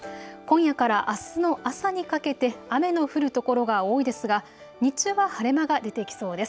今夜からあすの朝にかけて雨の降る所が多いですが日中は晴れ間が出てきそうです。